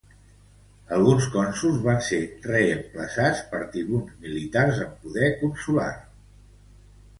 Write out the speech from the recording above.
Alguns cònsols van ser reemplaçats per tribuns militars amb poder consular.